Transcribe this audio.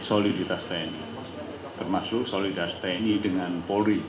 soliditas tni termasuk solidar tni dengan polri